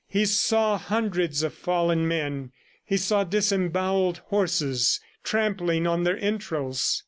He saw hundreds of fallen men; he saw disembowelled horses trampling on their entrails.